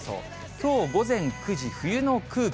きょう午前９時、冬の空気。